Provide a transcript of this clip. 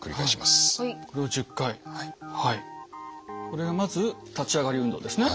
これはまず立ち上がり運動ですね。